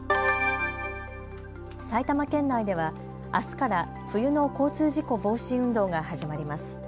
埼玉県内ではあすから冬の交通事故防止運動が始まります。